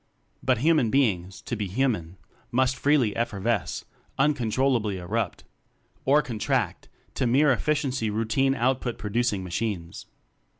But human beings, to be human, must freely effervesce uncontrollably erupt or contract to mere efficiency rou tine output producing machines.